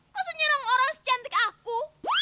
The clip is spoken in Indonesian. masa nyerang orang secantik aku